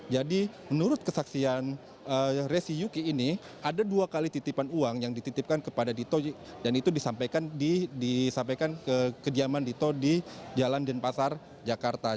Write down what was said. jadi menurut kesaksian resi yuki ini ada dua kali titipan uang yang dititipkan kepada dito dan itu disampaikan ke kediaman dito di jalan denpasar jakarta